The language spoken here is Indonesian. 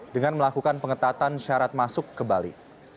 dengan melakukan pengetatan syarat masuk ke bali